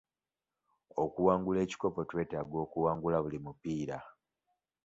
Okuwangula ekikopo twetaaga okuwangula buli mupiira.